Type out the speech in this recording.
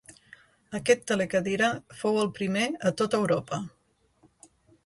Aquest telecadira fou el primer a tot Europa.